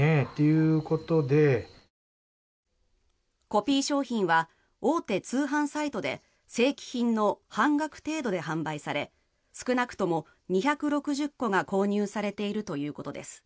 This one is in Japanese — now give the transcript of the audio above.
コピー商品は大手通販サイトで正規品の半額程度で販売され少なくとも２６０個が購入されているということです。